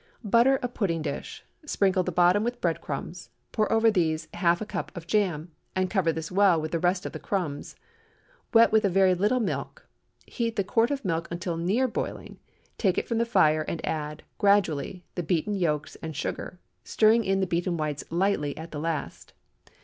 Butter a pudding dish; sprinkle the bottom with bread crumbs; pour over these half a cup jam, and cover this well with the rest of the crumbs, wet with a very little milk. Heat the quart of milk until near boiling, take it from the fire and add, gradually, the beaten yolks and sugar, stirring in the beaten whites lightly at the last.